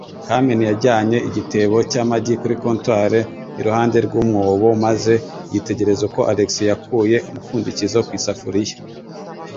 Carmen yajyanye igitebo cy'amagi kuri comptoir iruhande rw'umwobo maze yitegereza uko Alex yakuye umupfundikizo ku isafuriya.